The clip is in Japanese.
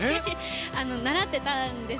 習ってたんです。